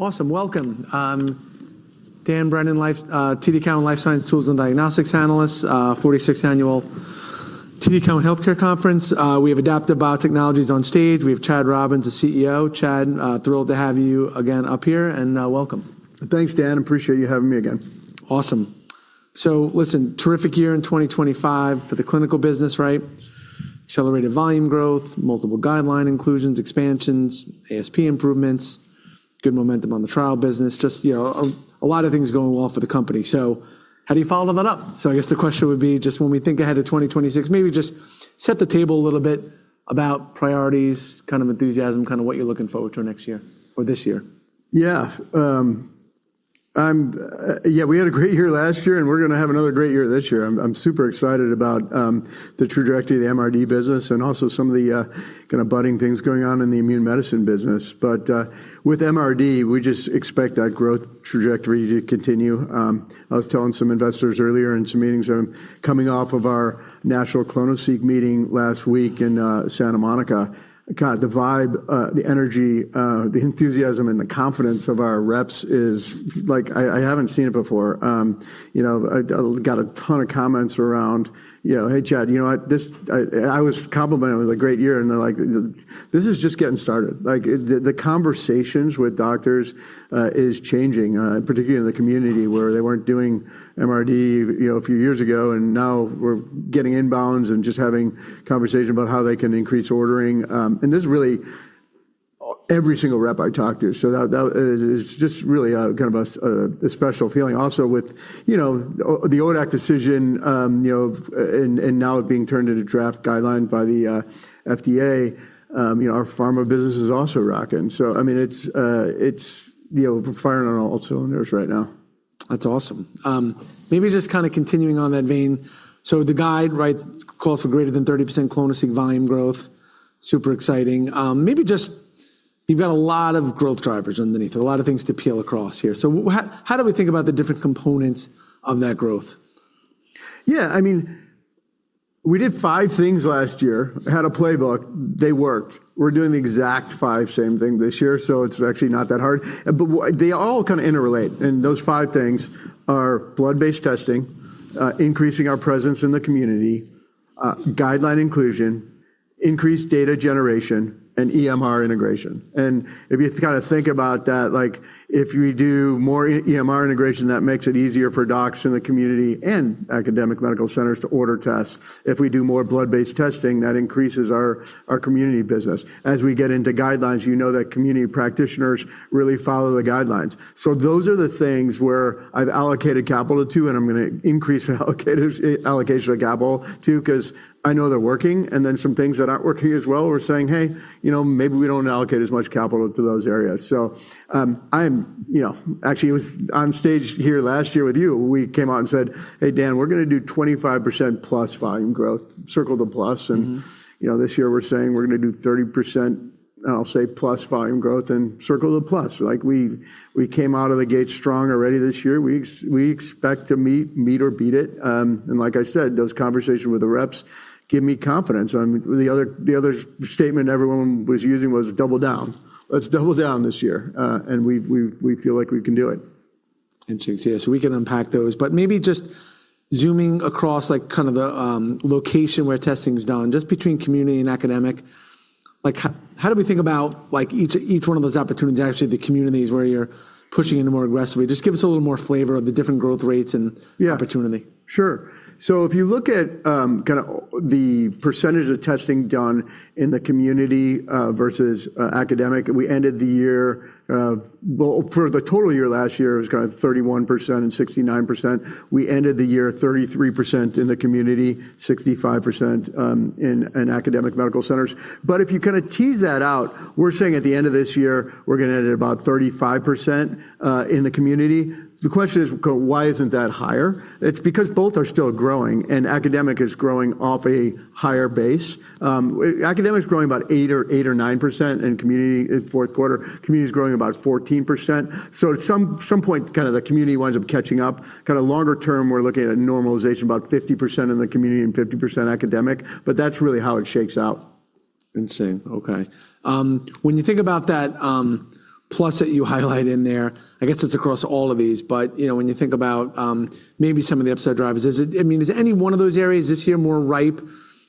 Awesome. Welcome. Dan Brennan, Life Science Tools and Diagnostics Analyst, 46th Annual TD Cowen Healthcare Conference. We have Adaptive Biotechnologies on stage. We have Chad Robins, the CEO. Chad, thrilled to have you again up here, and, welcome. Thanks, Dan. Appreciate you having me again. Awesome. Listen, terrific year in 2025 for the clinical business, right? Accelerated volume growth, multiple guideline inclusions, expansions, ASP improvements, good momentum on the trial business. Just, you know, a lot of things going well for the company. How do you follow that up? I guess the question would be, just when we think ahead to 2026, maybe just set the table a little bit about priorities, kind of enthusiasm, kind of what you're looking forward to next year or this year. Yeah. I'm, yeah, we had a great year last year, and we're going to have another great year this year. I'm super excited about the trajectory of the MRD business and also some of the kind of budding things going on in the immune medicine business. With MRD, we just expect that growth trajectory to continue. I was telling some investors earlier in some meetings that I'm coming off of our National clonoSEQ meeting last week in Santa Monica. God, the vibe, the energy, the enthusiasm, and the confidence of our reps is like I haven't seen it before. You know, I got a ton of comments around, you know, "Hey, Chad, you know what? This..." I was complimented with a great year. They're like, "This is just getting started." Like, the conversations with doctors is changing, particularly in the community where they weren't doing MRD, you know, a few years ago. Now we're getting inbounds and just having conversation about how they can increase ordering. This is really every single rep I talk to. That is just really kind of a special feeling. Also with, you know, the ODAC decision, you know, now it being turned into draft guideline by the FDA, you know, our pharma business is also rocking. I mean, it's, you know, we're firing on all cylinders right now. That's awesome. Maybe just kind of continuing on that vein. The guide, right, calls for greater than 30% ClonoSEQ volume growth, super exciting. Maybe just you've got a lot of growth drivers underneath it, a lot of things to peel across here. How do we think about the different components of that growth? Yeah, I mean, we did five things last year, had a playbook. They worked. We're doing the exact five same thing this year, so it's actually not that hard. They all kind of interrelate, and those 5 things are blood-based testing, increasing our presence in the community, guideline inclusion, increased data generation, and EMR integration. If you kind of think about that, like, if we do more EMR integration, that makes it easier for docs in the community and academic medical centers to order tests. If we do more blood-based testing, that increases our community business. As we get into guidelines, you know that community practitioners really follow the guidelines. Those are the things where I've allocated capital to, and I'm going to increase allocation of capital to because I know they're working. Some things that aren't working as well, we're saying, "Hey, you know, maybe we don't allocate as much capital to those areas." You know, actually, it was on stage here last year with you, we came out and said, "Hey, Dan, we're going to do 25% plus volume growth. Circle the plus. You know, this year we're saying we're going to do 30%, I'll say, plus volume growth and circle the plus. Like, we came out of the gate strong already this year. We expect to meet or beat it. Like I said, those conversations with the reps give me confidence. I mean, the other statement everyone was using was double down. Let's double down this year. We feel like we can do it. Interesting. We can unpack those. Maybe just zooming across, like, kind of the location where testing is done, just between community and academic. Like, how do we think about, like, each one of those opportunities, actually, the communities where you're pushing into more aggressively? Just give us a little more flavor of the different growth rates? Yeah. -opportunity. Sure. If you look at, kind of the percentage of testing done in the community versus academic, we ended the year, well, for the total year last year, it was kind of 31% and 69%. We ended the year 33% in the community, 65% in academic medical centers. If you kind of tease that out, we're saying at the end of this year, we're going to end at about 35% in the community. The question is, why isn't that higher? It's because both are still growing, and academic is growing off a higher base. Academic is growing about 8% or 9%, and community in fourth quarter is growing about 14%. At some point, kind of the community winds up catching up. Kind of longer term, we're looking at normalization about 50% in the community and 50% academic. That's really how it shakes out. Interesting. Okay. When you think about that, plus that you highlight in there, I guess it's across all of these, but, you know, when you think about, maybe some of the upside drivers, is it... I mean, is any one of those areas this year more ripe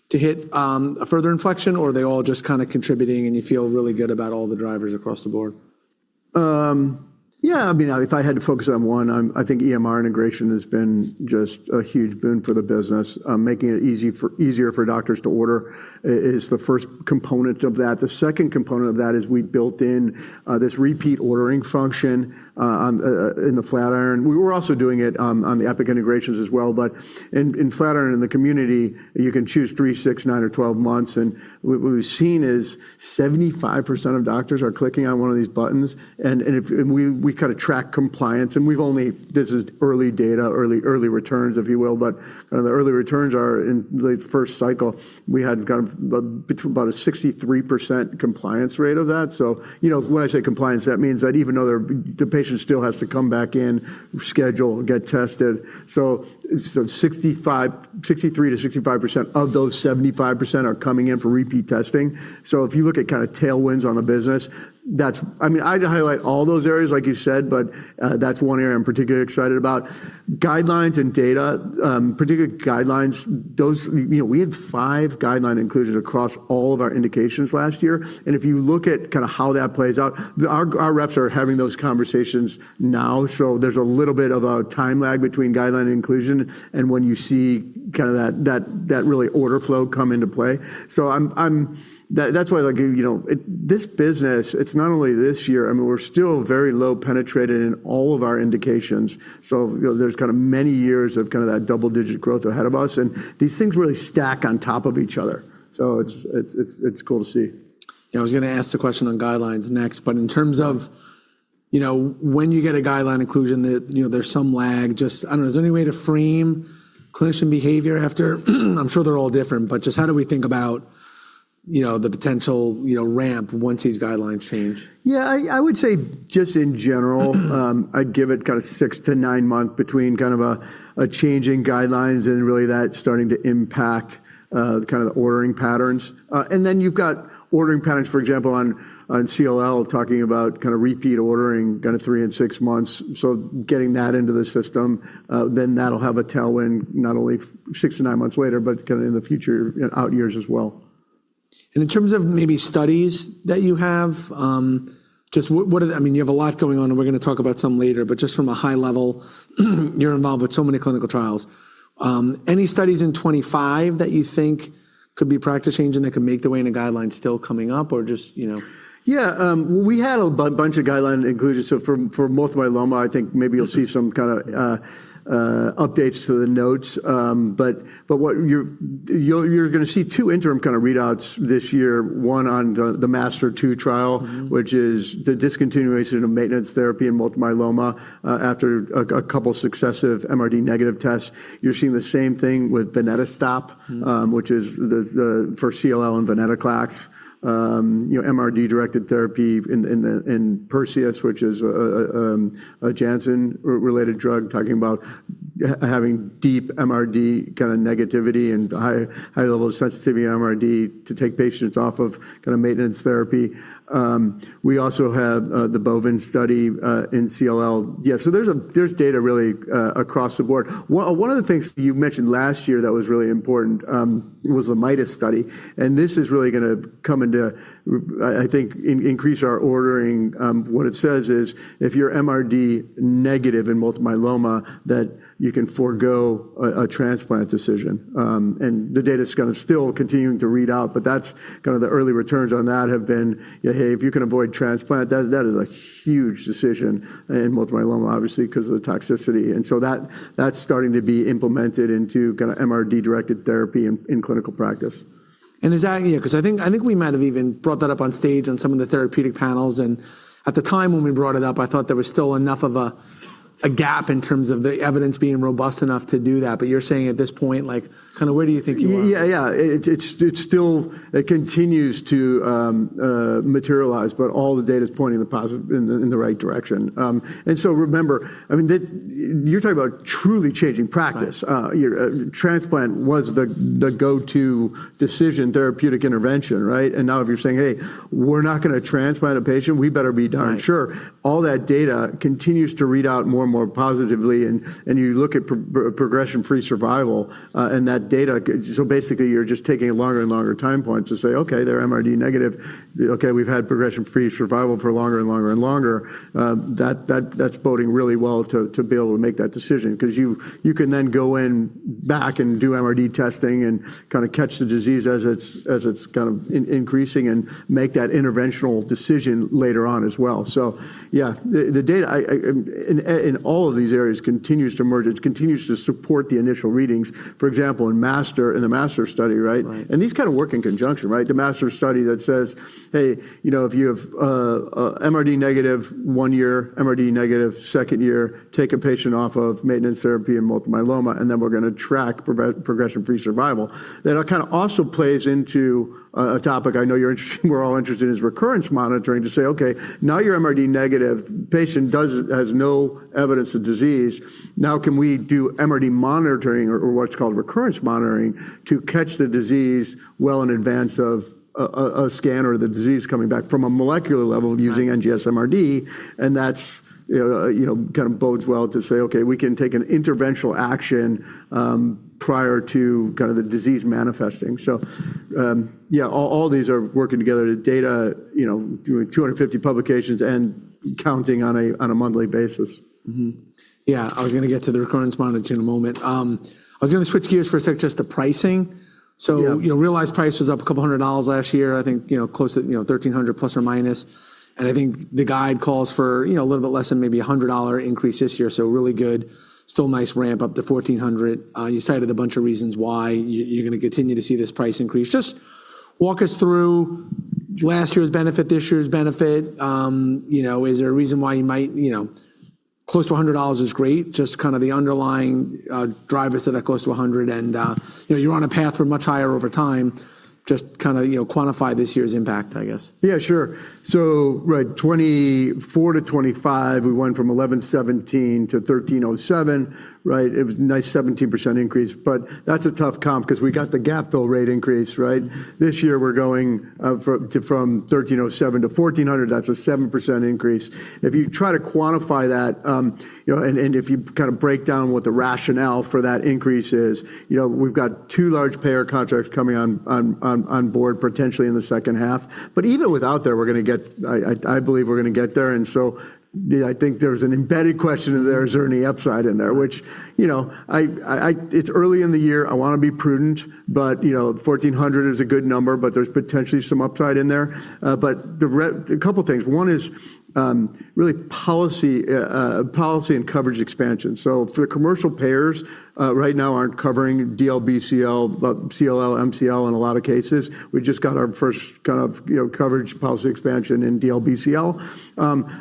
to hit, a further inflection, or are they all just kind of contributing and you feel really good about all the drivers across the board? Yeah, I mean, if I had to focus on one, I think EMR integration has been just a huge boon for the business. Making it easier for doctors to order is the first component of that. The second component of that is we built in this repeat ordering function in the Flatiron. We were also doing it on the Epic integrations as well. In Flatiron, in the community, you can choose 3, 6, 9, or 12 months. What we've seen is 75% of doctors are clicking on one of these buttons. We kind of track compliance, and we've only. This is early data, early returns, if you will. The early returns are in the first cycle, we had kind of between about a 63% compliance rate of that. You know, when I say compliance, that means that even though the patient still has to come back in, schedule, get tested. Sixty-three to 65% of those 75% are coming in for repeat testing. If you look at kind of tailwinds on the business, that's... I mean, I'd highlight all those areas, like you said, but that's one area I'm particularly excited about. Guidelines and data, particularly guidelines, those... You know, we had 5 guideline inclusions across all of our indications last year. If you look at kind of how that plays out, our reps are having those conversations now. There's a little bit of a time lag between guideline inclusion and when you see kind of that really order flow come into play. I'm. That's why, like, you know, this business, it's not only this year. I mean, we're still very low penetrated in all of our indications. There's kind of many years of kind of that double-digit growth ahead of us, and these things really stack on top of each other. It's cool to see. Yeah, I was going to ask the question on guidelines next. In terms, you know, when you get a guideline inclusion that, you know, there's some lag, just, I don't know, is there any way to frame clinician behavior after? I'm sure they're all different, but just how do we think about, you know, the potential, you know, ramp once these guidelines change? Yeah, I would say just in general, I'd give it kinda 6-9 month between kind of a change in guidelines and really that starting to impact the kind of the ordering patterns. And then you've got ordering patterns, for example, on CLL, talking about kinda repeat ordering kind of three and six months. Getting that into the system, then that'll have a tailwind not only 6-9 months later, but kinda in the future, you know, out years as well. In terms of maybe studies that you have, just what are the? I mean, you have a lot going on, and we're gonna talk about some later, but just from a high level, you're involved with so many clinical trials. Any studies in 2025 that you think could be practice-changing that could make their way into guidelines still coming up? Just, you know. We had a bunch of guideline included. For multiple myeloma, I think maybe you'll see some kind of updates to the notes. What you're gonna see two interim kind of readouts this year, one on the MASTER-2 trial. which is the discontinuation of maintenance therapy in multiple myeloma, after a couple successive MRD negative tests. You're seeing the same thing with venetoclax stop. which is the, for CLL and venetoclax. You know, MRD-directed therapy in the, in PERSEUS, which is a Janssen related drug, talking about having deep MRD kinda negativity and high level of sensitivity MRD to take patients off of kinda maintenance therapy. We also have the BOVen study in CLL. There's data really across the board. One of the things you mentioned last year that was really important was the MIDAS study. This is really gonna come into, I think increase our ordering. What it says is, if you're MRD negative in multiple myeloma, that you can forgo a transplant decision. The data's kinda still continuing to read out, but that's kinda the early returns on that have been, yeah, hey, if you can avoid transplant, that is a huge decision in multiple myeloma, obviously, 'cause of the toxicity. That's starting to be implemented into kinda MRD-directed therapy in clinical practice. Is that, Yeah, 'cause I think we might have even brought that up on stage on some of the therapeutic panels. At the time when we brought it up, I thought there was still enough of a gap in terms of the evidence being robust enough to do that. You're saying at this point, like, kinda where do you think you are? Yeah, yeah. It continues to materialize, but all the data's pointing in the right direction. Remember, I mean, you're talking about truly changing practice. Right. Your transplant was the go-to decision therapeutic intervention, right? Now if you're saying, "Hey, we're not gonna transplant a patient, we better be darn sure. Right. All that data continues to read out more and more positively and you look at progression-free survival, and that data, basically, you're just taking longer and longer time points to say, "Okay, they're MRD negative. Okay, we've had progression-free survival for longer and longer and longer." That's boding really well to be able to make that decision 'cause you can then go in back and do MRD testing and kinda catch the disease as it's, as it's kind of increasing and make that interventional decision later on as well. Yeah, the data in all of these areas continues to merge. It continues to support the initial readings, for example, in MASTER, in the MASTER study, right? Right. These kind of work in conjunction, right? The MASTER study that says, "Hey, you know, if you have MRD negative one year, MRD negative second year, take a patient off of maintenance therapy and multiple myeloma, and we're gonna track progression-free survival." It kinda also plays into a topic I know you're interested, we're all interested in, is recurrence monitoring to say, "Okay, now you're MRD negative. Patient has no evidence of disease. Now can we do MRD monitoring or what's called recurrence monitoring to catch the disease well in advance of a scan or the disease coming back from a molecular level of using NGS MRD? That's, you know, kind of bodes well to say, "Okay, we can take an interventional action, prior to kind of the disease manifesting." Yeah, all these are working together. The data, you know, doing 250 publications and counting on a monthly basis. Yeah. I was gonna get to the recurrence monitoring in a moment. I was gonna switch gears for a sec just to pricing. Yeah. You know, realized price was up $200 last year. I think, you know, close to, you know, $1,300 plus or minus, and I think the guide calls for, you know, a little bit less than maybe a $100 increase this year. Really good. Still nice ramp up to $1,400. You cited a bunch of reasons why you're gonna continue to see this price increase. Just walk us through last year's benefit, this year's benefit. You know, is there a reason why you might, you know, close to $100 is great, just kinda the underlying drivers to that close to $100 and, you know, you're on a path for much higher over time? Just kinda, you know, quantify this year's impact, I guess. Yeah, sure. Right, 2024 to 2025, we went from $1,117 to $1,307, right? It was a nice 17% increase, but that's a tough comp 'cause we got the gapfill rate increase, right? This year, we're going from $1,307 to $1,400. That's a 7% increase. If you try to quantify that, you know, and if you kind of break down what the rationale for that increase is, you know, we've got two large payer contracts coming on board potentially in the second half. Even without that, I believe we're gonna get there. I think there's an embedded question in there, is there any upside in there? Which, you know, It's early in the year. I wanna be prudent, but, you know, $1,400 is a good number, but there's potentially some upside in there. A couple things. One is really policy and coverage expansion. For the commercial payers right now aren't covering DLBCL, but CLL, MCL in a lot of cases. We just got our first kind of, you know, coverage policy expansion in DLBCL.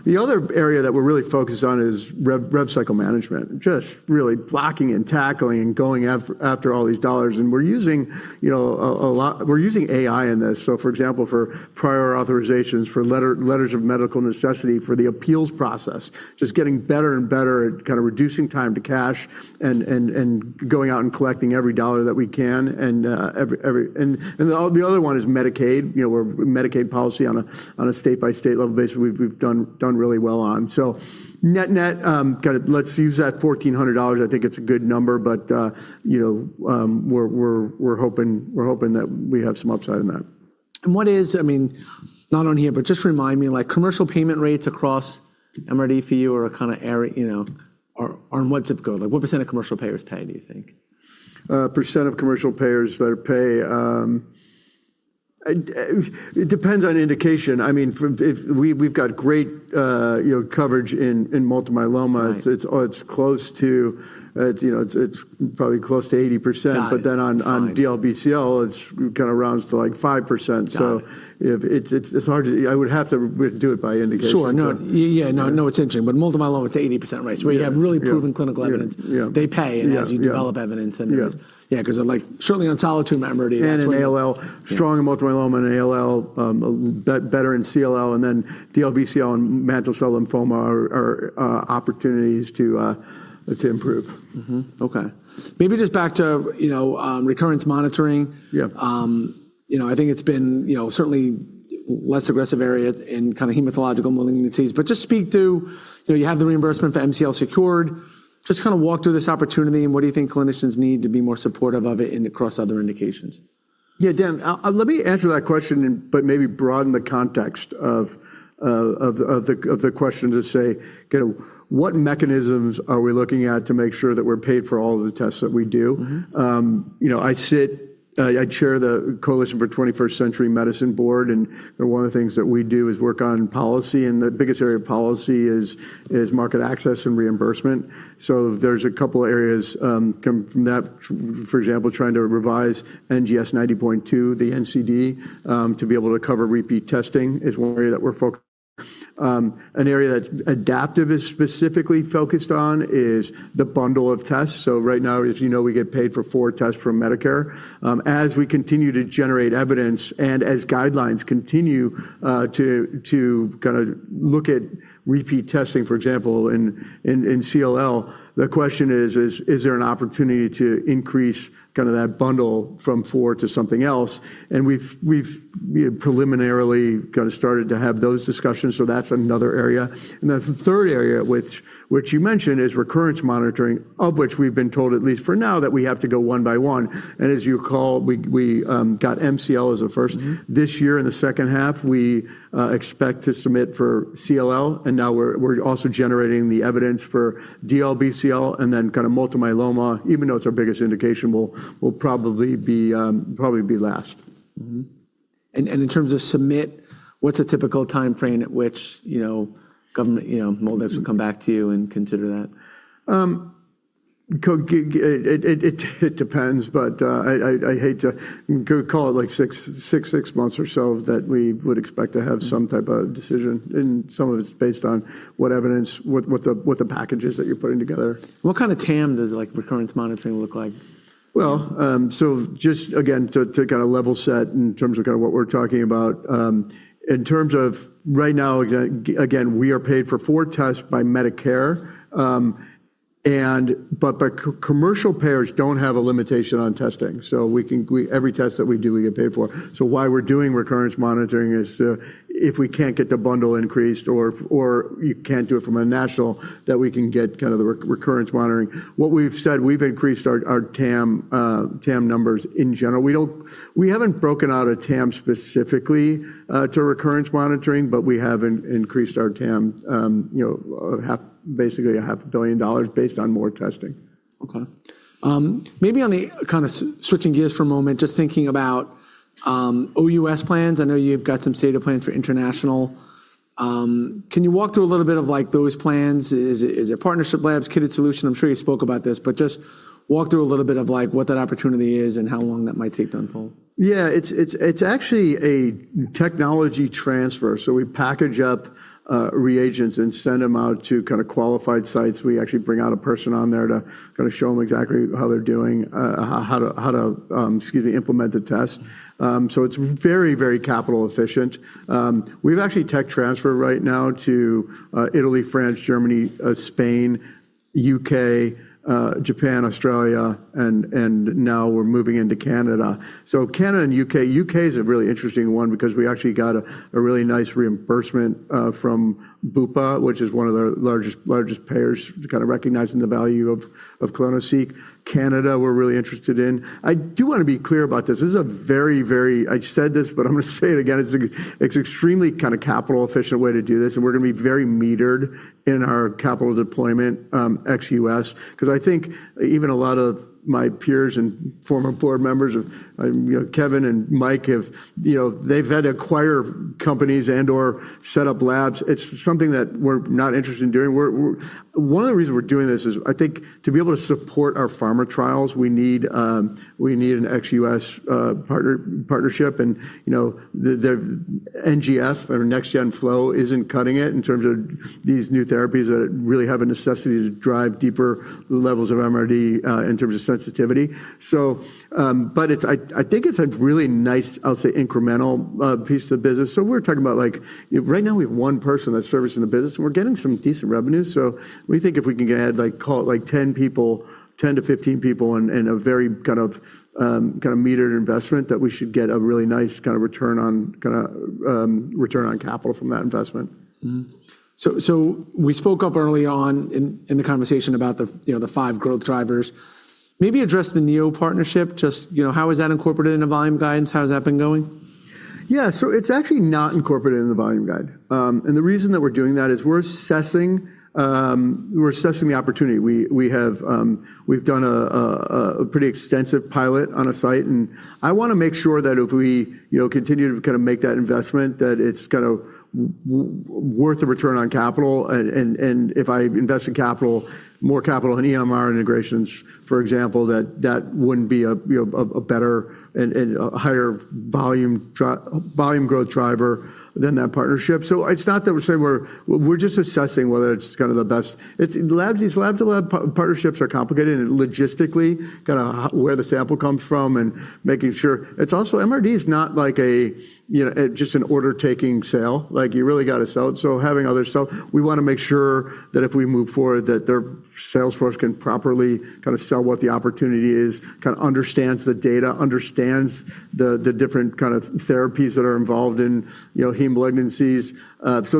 The other area that we're really focused on is rev cycle management. Just really blocking and tackling and going after all these dollars, and we're using, you know, AI in this. For example, for prior authorizations, for letters of medical necessity, for the appeals process, just getting better and better at kinda reducing time to cash and going out and collecting every dollar that we can. The other one is Medicaid. You know, we're Medicaid policy on a state-by-state level basis, we've done really well on. Net-net, kinda let's use that $1,400. I think it's a good number, but, you know, we're hoping that we have some upside in that. What is, I mean, not on here, but just remind me like commercial payment rates across MRD for you are a kind of area, you know, or on what zip code? Like what percent of commercial payers pay, do you think? Percent of commercial payers that pay, it depends on indication. I mean, for we've got great, you know, coverage in multiple myeloma. Got it. It's close to, you know, it's probably close to 80%. Got it. On DLBCL, it's kind of rounds to like 5%. Got it. if it's hard to I would have to do it by indication. Sure. No. Yeah. No, no, it's interesting. Multiple myeloma, it's 80% rates where you have really proven clinical evidence. Yeah. They pay as you develop evidence. Yeah. Yeah, 'cause like certainly on Solid Tumor MRD- In ALL, strong in multiple myeloma and ALL, better in CLL and then DLBCL and mantle cell lymphoma are opportunities to improve. Okay. Maybe just back to, you know, recurrence monitoring. Yeah. You know, I think it's been, you know, certainly less aggressive area in kind of hematological malignancies. Just speak to, you know, you have the reimbursement for MCL secured. Just kind of walk through this opportunity and what do you think clinicians need to be more supportive of it in across other indications? Yeah, Dan, let me answer that question and but maybe broaden the context of the question to say, you know, what mechanisms are we looking at to make sure that we're paid for all of the tests that we do? Mm-hmm. You know, I sit, I chair the Coalition for 21st Century Medicine board, and one of the things that we do is work on policy, and the biggest area of policy is market access and reimbursement. There's a couple areas come from that. For example, trying to revise NGS 90.2, the NCD, to be able to cover repeat testing is one area that we're focused. An area that Adaptive is specifically focused on is the bundle of tests. Right now, as you know, we get paid for four tests from Medicare. As we continue to generate evidence and as guidelines continue to kind of look at repeat testing, for example, in CLL, the question is there an opportunity to increase kind of that bundle from four to something else? We've, we preliminarily kind of started to have those discussions, so that's another area. Then the third area, which you mentioned, is recurrence monitoring, of which we've been told, at least for now, that we have to go one by one. As you recall, we got MCL as a first. This year in the second half, we expect to submit for CLL, and now we're also generating the evidence for DLBCL and then kind of multiple myeloma, even though it's our biggest indication, will probably be last. In terms of submit, what's a typical timeframe at which, you know, government, you know, MolDx will come back to you and consider that? It depends, but I hate to call it like six months or so that we would expect to have some type of decision. Some of it's based on what evidence, what the packages that you're putting together. What kind of TAM does like recurrence monitoring look like? Just again, to kind of level set in terms of what we're talking about, in terms of right now, again, we are paid for four tests by Medicare, but commercial payers don't have a limitation on testing. We, every test that we do, we get paid for. Why we're doing recurrence monitoring is if we can't get the bundle increased or you can't do it from a national, that we can get kind of the recurrence monitoring. What we've said, we've increased our TAM numbers in general. We haven't broken out a TAM specifically to recurrence monitoring, but we have increased our TAM, you know, half, basically a half a billion dollars based on more testing. Maybe on the kind of switching gears for a moment, just thinking about OUS plans. I know you've got some state plans for international. Can you walk through a little bit of like those plans? Is it partnership labs, kitted solution? I'm sure you spoke about this, but just walk through a little bit of like what that opportunity is and how long that might take to unfold. Yeah. It's actually a technology transfer. We package up reagents and send them out to kind of qualified sites. We actually bring out a person on there to kind of show them exactly how they're doing, how to, excuse me, implement the test. It's very capital efficient. We've actually tech transfer right now to Italy, France, Germany, Spain, U.K., Japan, Australia, and now we're moving into Canada. Canada and U.K. U.K. is a really interesting one because we actually got a really nice reimbursement from Bupa, which is one of the largest payers kind of recognizing the value of clonoSEQ. Canada, we're really interested in. I do want to be clear about this. This is a very... I said this, but I'm gonna say it again. It's extremely kind of capital efficient way to do this, we're gonna be very metered in our capital deployment, ex-U.S., 'cause I think even a lot of my peers and former board members of, you know, Kevin and Mike have, you know, they've had to acquire companies and/or set up labs. It's something that we're not interested in doing. We're One of the reasons we're doing this is I think to be able to support our pharma trials, we need an ex-U.S. partnership. You know, the NGF or Next Gen Flow isn't cutting it in terms of these new therapies that really have a necessity to drive deeper levels of MRD in terms of sensitivity. But it's I think it's a really nice, I'll say, incremental piece of the business. We're talking about like, you know, right now we have one person that's servicing the business, and we're getting some decent revenue. We think if we can add like, call it like 10 people, 10-15 people in a very kind of, kind of metered investment, that we should get a really nice kind of return on kind of, return on capital from that investment. Mm-hmm. We spoke up early on in the conversation about you know, the five growth drivers. Maybe address the Genentech partnership, just, you know, how is that incorporated into volume guidance? How has that been going? Yeah. So it's actually not incorporated in the volume guide. And the reason that we're doing that is we're assessing the opportunity. We have, we've done a pretty extensive pilot on a site, and I wanna make sure that if we, you know, continue to kinda make that investment, that it's kind of worth the return on capital. And if I invest in capital, more capital in EMR integrations, for example, that wouldn't be a, you know, a better and a higher volume growth driver than that partnership. So it's not that we're saying we're just assessing whether it's kind of the best. It's these lab-to-lab partnerships are complicated, and logistically, kinda where the sample comes from and making sure... It's also MRD is not like a, you know, a, just an order-taking sale. Like, you really gotta sell it, having others sell, we wanna make sure that if we move forward, that their sales force can properly kinda sell what the opportunity is, kinda understands the data, understands the different kind of therapies that are involved in, you know, heme malignancies.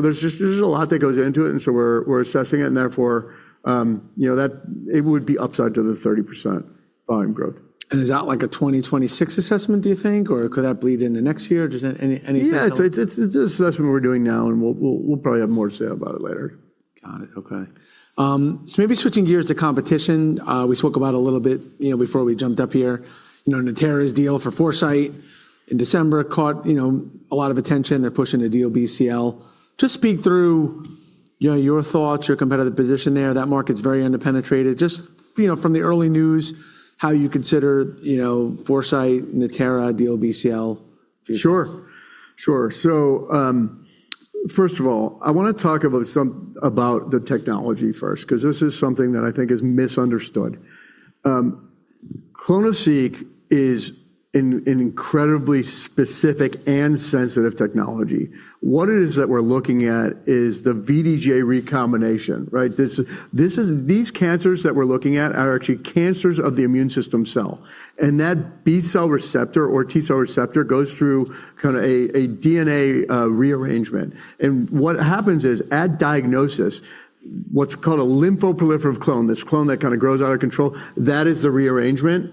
There's just, there's a lot that goes into it. We're, we're assessing it. Therefore, you know, that it would be upside to the 30% volume growth. Is that like a 2026 assessment, do you think? Or could that bleed into next year? Does that? Anything? Yeah. It's an assessment we're doing now, and we'll probably have more to say about it later. Got it. Okay. Maybe switching gears to competition, we spoke about a little bit, you know, before we jumped up here. You know, Natera's deal for Foresight in December caught, you know, a lot of attention. They're pushing the DLBCL. Just speak through, you know, your thoughts, your competitive position there. That market's very under-penetrated. Just you know, from the early news, how you consider, you know, Foresight, Natera, DLBCL. Sure. Sure. First of all, I wanna talk about about the technology first, 'cause this is something that I think is misunderstood. clonoSEQ is an incredibly specific and sensitive technology. What it is that we're looking at is the VDJ recombination, right? These cancers that we're looking at are actually cancers of the immune system cell, and that B-cell receptor or T-cell receptor goes through kinda a DNA rearrangement. What happens is, at diagnosis, what's called a lymphoproliferative clone, this clone that kinda grows out of control, that is the rearrangement.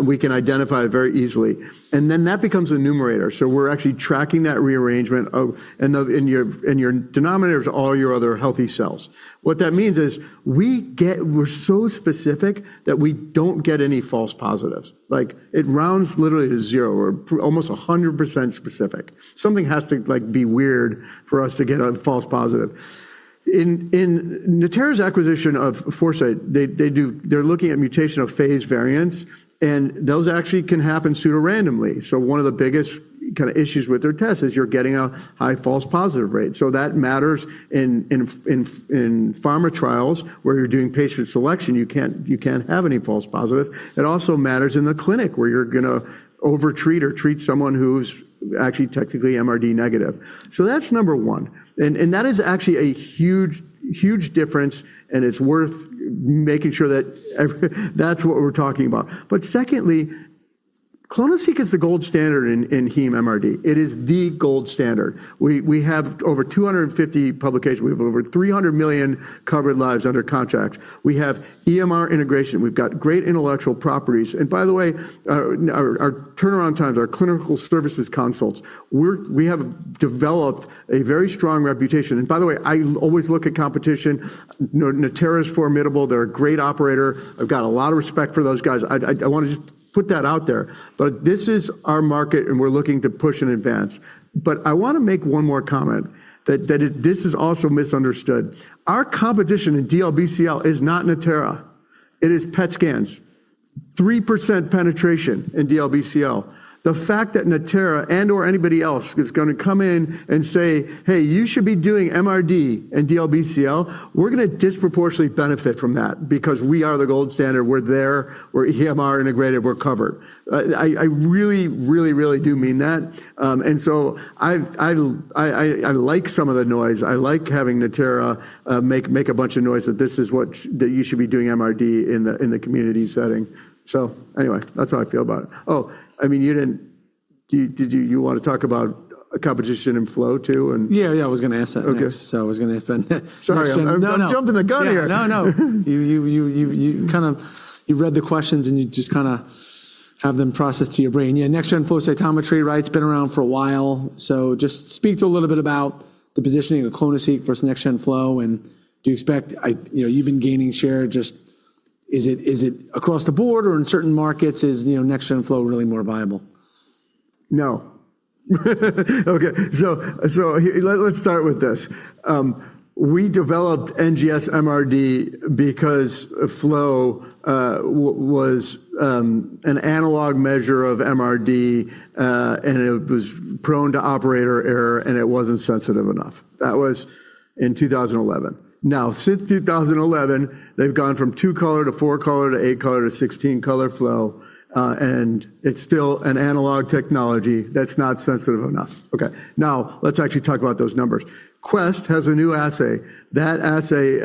We can identify it very easily, and then that becomes a numerator. We're actually tracking that rearrangement of... Your denominator is all your other healthy cells. What that means is we're so specific that we don't get any false positives. Like, it rounds literally to zero. We're almost 100% specific. Something has to, like, be weird for us to get a false positive. In Natera's acquisition of Foresight, they're looking at mutational phase variance, and those actually can happen pseudorandomly. One of the biggest kinda issues with their test is you're getting a high false positive rate. That matters in pharma trials, where you're doing patient selection, you can't have any false positive. It also matters in the clinic, where you're gonna over-treat or treat someone who's actually technically MRD negative. That's number 1, and that is actually a huge difference, and it's worth making sure that that's what we're talking about. Secondly, ClonoSeq is the gold standard in heme MRD. It is the gold standard. We have over 250 publications. We have over 300 million covered lives under contract. We have EMR integration. We've got great intellectual properties. By the way, our turnaround times, our clinical services consults, we have developed a very strong reputation. By the way, I always look at competition. Natera is formidable. They're a great operator. I wanna just put that out there, but this is our market, and we're looking to push and advance. I wanna make one more comment, that this is also misunderstood. Our competition in DLBCL is not Natera. It is PET scans, 3% penetration in DLBCL. The fact that Natera and/or anybody else is gonna come in and say, "Hey, you should be doing MRD in DLBCL," we're gonna disproportionately benefit from that, because we are the gold standard. We're there. We're EMR integrated. We're covered. I really, really, really do mean that. I like some of the noise. I like having Natera make a bunch of noise that this is what that you should be doing MRD in the, in the community setting. That's how I feel about it. I mean, do you, did you want to talk about competition in flow too? Yeah. I was gonna ask that next. Okay. I was gonna ask that next. Sorry. I jumped in the gun here. No. You kind of, you read the questions, and you just kinda have them processed to your brain. Yeah, next-generation flow cytometry, right? It's been around for a while. Just speak to a little bit about the positioning of clonoSEQ versus next-generation flow, and do you expect... You know, you've been gaining share. Just is it across the board or in certain markets? Is, you know, next-generation flow really more viable? No. Okay. Let's start with this. We developed NGS MRD because flow was an analog measure of MRD, and it wasn't sensitive enough. That was in 2011. Since 2011, they've gone from 2-color to 4-color to 8-color to 16-color flow, and it's still an analog technology that's not sensitive enough. Okay. Let's actually talk about those numbers. Quest has a new assay. That assay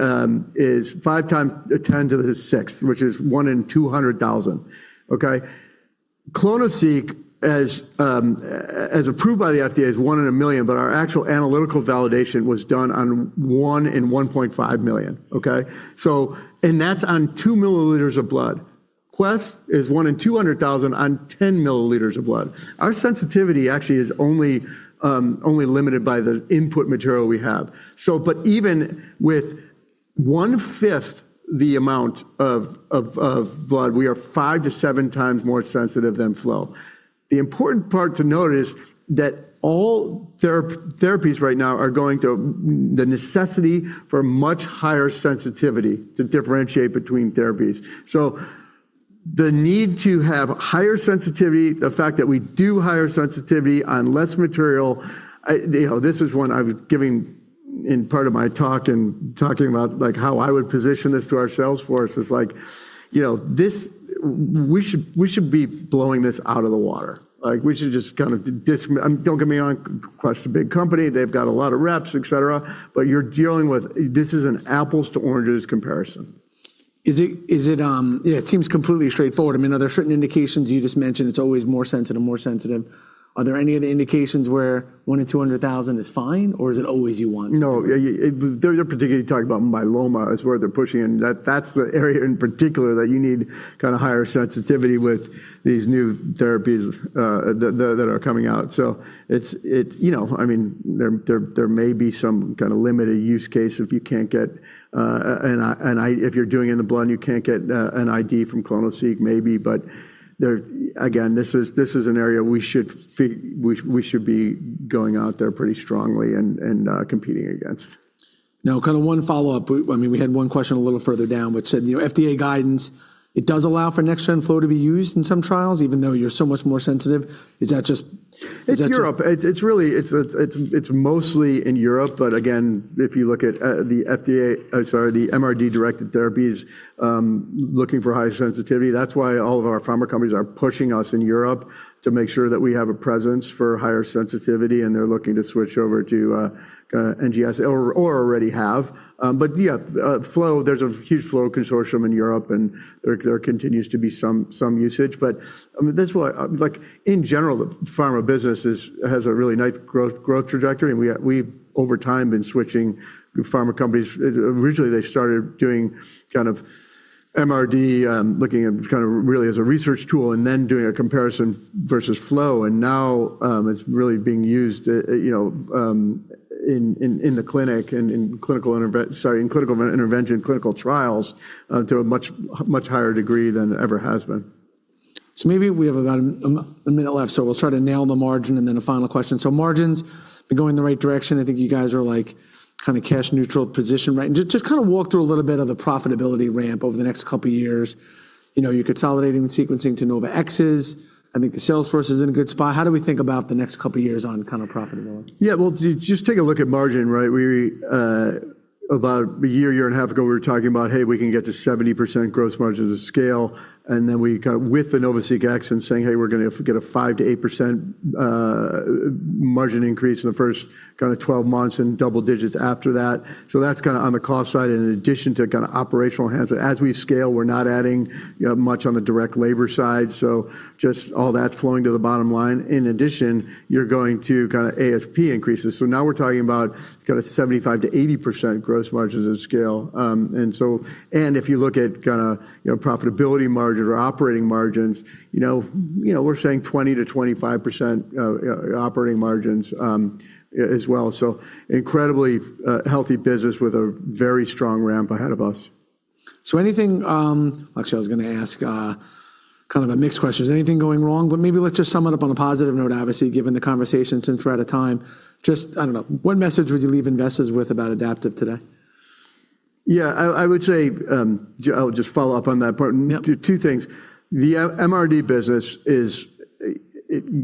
is 5 x 10^6, which is 1 in 200,000. Okay? clonoSEQ as approved by the FDA is 1 in 1 million, our actual analytical validation was done on 1 in 1.5 million, okay? That's on 2 milliliters of blood. Quest is 1 in 200,000 on 10 milliliters of blood. Our sensitivity actually is only limited by the input material we have. Even with 1/5 the amount of blood, we are 5-7 times more sensitive than flow. The important part to note is that all therapies right now are going to the necessity for much higher sensitivity to differentiate between therapies. The need to have higher sensitivity, the fact that we do higher sensitivity on less material, I, you know, this is one I was giving in part of my talk and talking about, like, how I would position this to our sales force is like, you know, we should be blowing this out of the water. Like, we should just kind of don't get me wrong, Quest's a big company. They've got a lot of reps, et cetera, but you're dealing with... This is an apples to oranges comparison. Is it? Yeah, it seems completely straightforward. I mean, are there certain indications you just mentioned it's always more sensitive? Are there any other indications where 1 in 200,000 is fine, or is it always you want? No. Yeah, yeah. They're particularly talking about myeloma is where they're pushing. That's the area in particular that you need kinda higher sensitivity with these new therapies that are coming out. It's, you know, I mean, there may be some kinda limited use case if you can't get if you're doing it in the blood and you can't get an ID from clonoSEQ maybe. There, again, this is an area we should we should be going out there pretty strongly and competing against. Now, kind of one follow-up. Well, I mean, we had one question a little further down which said, you know, FDA guidance, it does allow for Next Gen Flow to be used in some trials even though you're so much more sensitive. Is that just- It's Europe. It's mostly in Europe. Again, if you look at the MRD-directed therapies, looking for higher sensitivity, that's why all of our pharma companies are pushing us in Europe to make sure that we have a presence for higher sensitivity, and they're looking to switch over to kinda NGS or already have. Yeah, flow, there's a huge flow consortium in Europe, and there continues to be some usage. I mean, that's why, like, in general, the pharma business has a really nice growth trajectory. We've over time been switching pharma companies. Originally, they started doing kind of MRD, looking at kind of really as a research tool and then doing a comparison versus flow, and now, it's really being used, you know, in the clinic and in clinical intervention, clinical trials, to a much, much higher degree than it ever has been. Maybe we have about a minute left, so we'll try to nail the margin and then a final question. Margins are going in the right direction. I think you guys are, like, kind of cash neutral position, right? Just kind of walk through a little bit of the profitability ramp over the next couple years. You know, you're consolidating the sequencing to NovaSeq X. I think the sales force is in a good spot. How do we think about the next couple years on kind of profitability? Well, just take a look at margin, right? We, about a year and a half ago, we were talking about, hey, we can get to 70% gross margins at scale, and then we kind of with the NovaSeq X and saying, hey, we're gonna get a 5% to 8% margin increase in the first kinda 12 months and double digits after that. That's kinda on the cost side and in addition to kinda operational enhancement. As we scale, we're not adding, you know, much on the direct labor side, so just all that's flowing to the bottom line. In addition, you're going to kinda ASP increases. Now we're talking about kinda 75% to 80% gross margins at scale. If you look at kinda, you know, profitability margin or operating margins, you know, we're saying 20%-25% operating margins as well. Incredibly healthy business with a very strong ramp ahead of us. Actually I was gonna ask, kind of a mixed question: Is anything going wrong? Maybe let's just sum it up on a positive note, obviously, given the conversation since we're out of time. Just, I don't know, what message would you leave investors with about Adaptive today? Yeah. I would say, I'll just follow up on that part. Yep. Two things. The MRD business is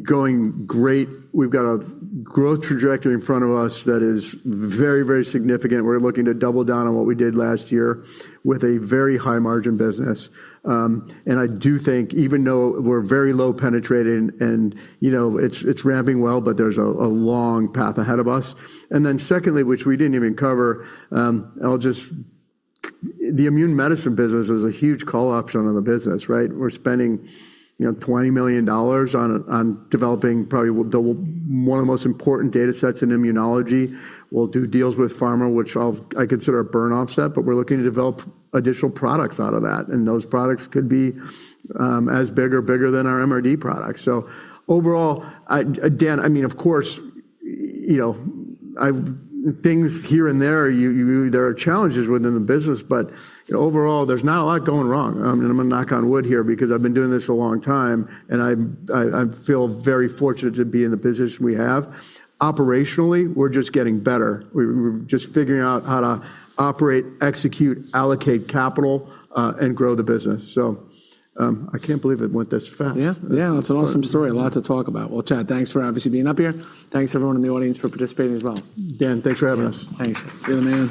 going great. We've got a growth trajectory in front of us that is very, very significant. We're looking to double down on what we did last year with a very high margin business. I do think even though we're very low penetrated, you know, it's ramping well, but there's a long path ahead of us. Secondly, which we didn't even cover, the immune medicine business is a huge call option on the business, right? We're spending, you know, $20 million on developing probably one of the most important data sets in immunology. We'll do deals with pharma, which I consider a burn offset, but we're looking to develop additional products out of that, and those products could be as big or bigger than our MRD products. Overall, Dan, I mean, of course, you know, things here and there are challenges within the business, but overall, there's not a lot going wrong. I mean, I'm gonna knock on wood here because I've been doing this a long time, and I feel very fortunate to be in the position we have. Operationally, we're just getting better. We're just figuring out how to operate, execute, allocate capital, and grow the business. I can't believe it went this fast. Yeah. Yeah. That's an awesome story. A lot to talk about. Well, Chad, thanks for obviously being up here. Thanks everyone in the audience for participating as well. Dan, thanks for having us. Yeah. Thanks. You're the man.